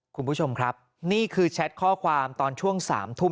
คุณผู้ชมครับนี่คือแชทข้อความตอนช่วง๓ทุ่ม